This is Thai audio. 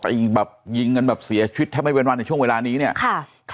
แบบยิงกันแบบเสียชีวิตแทบไม่เว้นวันในช่วงเวลานี้เนี่ยค่ะ